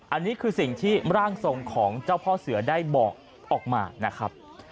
อันนี้คือสิ่งที่ร่างทรงของเจ้าพ่อเสือได้บอกออกมานะครับ